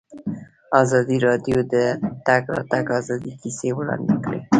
ازادي راډیو د د تګ راتګ ازادي کیسې وړاندې کړي.